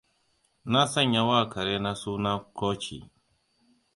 Na sanya wa karena suna Cookie.